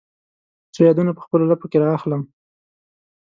څو یادونه په خپل لپو کې را اخلم